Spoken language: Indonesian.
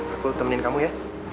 aku temenin kamu ya